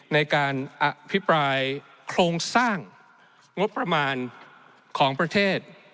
ในการอภิปรายโครงสร้างงบประมาณของประเทศ